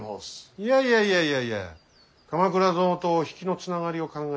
いやいやいやいやいや鎌倉殿と比企の繋がりを考えればこの私が。